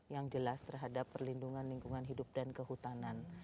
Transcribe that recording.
yang jelas terhadap perlindungan lingkungan hidup dan kehutanan